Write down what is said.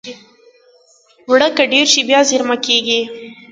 اوړه که ډېر شي، بیا زېرمه کېږي